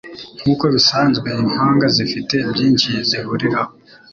Nkuko bisanzwe, impanga zifite byinshi zihuriraho.